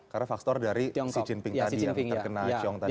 karena faktor dari xi jinping tadi yang terkena qiong tadi ya